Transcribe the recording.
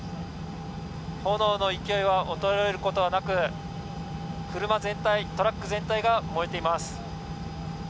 炎の勢いは衰えることはなく車全体、トラック全体が燃えています。